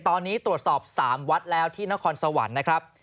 ตอนนี้ตรวจสอบ๓วัดแล้วที่นครสวรรค์นะครับ